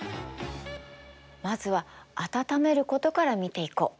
まずは暖めることから見ていこう。